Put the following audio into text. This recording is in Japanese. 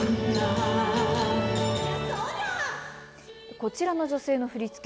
こちらの女性の振り付け、